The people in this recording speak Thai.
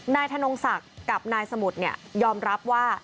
นายธนงศักดิ์กับนายสมุทรยอมรับว่า